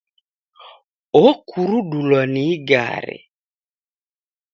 Okurudulwa ni igare.